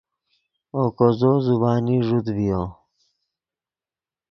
اوکو زو زبانی ݱوت ڤیو